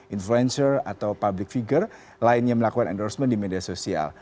influencer atau public figure lainnya melakukan endorsement di media sosial